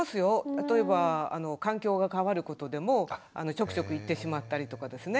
例えば環境が変わることでもちょくちょく行ってしまったりとかですね